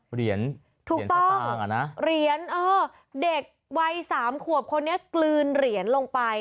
เหรียญถูกต้องเหรียญเด็กวัย๓ขวบคนนี้กลืนเหรียญลงไป